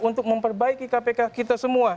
untuk memperbaiki kpk kita semua